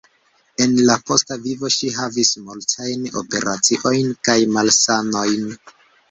En la posta vivo ŝi havis multajn operaciojn kaj malsanojn.